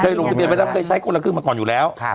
ลงทะเบียไปแล้วเคยใช้คนละครึ่งมาก่อนอยู่แล้ว